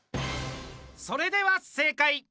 それでは正解。